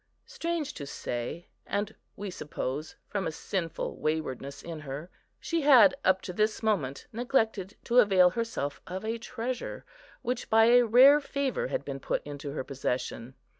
Strange to say, and, we suppose, from a sinful waywardness in her, she had, up to this moment, neglected to avail herself of a treasure, which by a rare favour had been put into her possession.